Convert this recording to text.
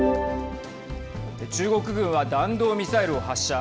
中国軍は弾道ミサイルを発射。